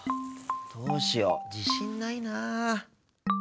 どうしよう自信ないな。